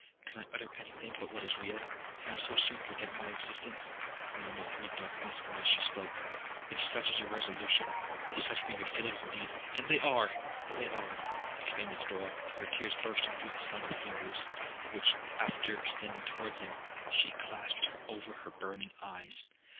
Can I utter any thing but what is real? Can I so soon forget my existence?' Melmoth looked up once more as she spoke—'If such is your resolution,—if such be your feelings indeed,'—'And they are!—they are!' exclaimed Isidora, her tears bursting through the slender fingers, which, after extending towards him, she clasped over her burning eyes.